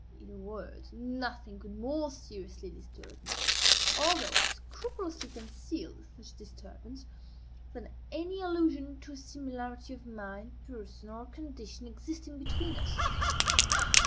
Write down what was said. In a word, nothing could more seriously disturb me (although I scrupulously concealed such disturbance) than any allusion to a similarity of mind, person, or condition existing between us.